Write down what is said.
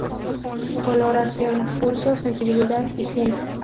Coloración, pulsos, sensibilidad, higiene.